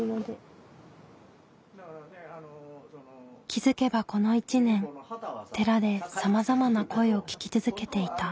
気付けばこの１年寺でさまざまな声を聞き続けていた。